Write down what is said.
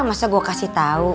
masa gue kasih tau